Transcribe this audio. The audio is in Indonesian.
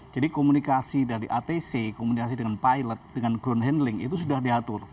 jadi komunikasi dari atc komunikasi dengan pilot dengan ground handling itu sudah diatur